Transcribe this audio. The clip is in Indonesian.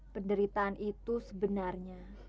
penderitaan itu sebenarnya